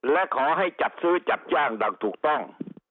และขอให้จัดซื้อจัดจ้างดังถูกต้อง